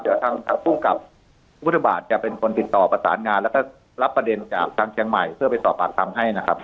เดี๋ยวทางผู้กับพุทธบาทจะเป็นคนติดต่อประสานงานแล้วก็รับประเด็นจากทางเชียงใหม่เพื่อไปสอบปากคำให้นะครับ